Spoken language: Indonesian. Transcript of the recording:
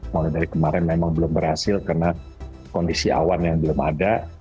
mulai dari kemarin memang belum berhasil karena kondisi awan yang belum ada